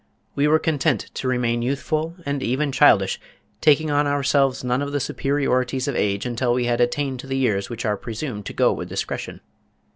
We were content to remain youthful, and even childish, taking on ourselves none of the superiorities of age until we had attained to the years which are presumed to go with discretion.